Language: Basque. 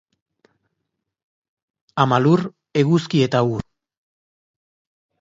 Ama lur, eguzki eta ur.